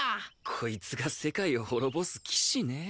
こいつが世界を滅ぼす騎士ねえ